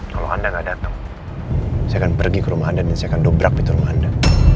kalau anda nggak datang saya akan pergi ke rumah anda dan saya akan dobrak itu rumah anda